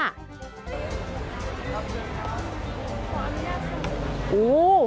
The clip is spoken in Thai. โอ้โห